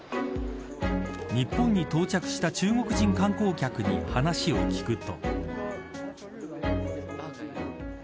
日本に到着した中国人観光客に話を聞くと。